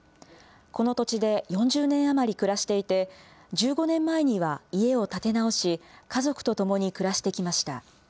この土地で４０年余り暮らしていて、１５年前には家を建て直し、家族と共に暮らしてきました。